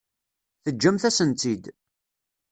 Teǧǧamt-asen-tt-id.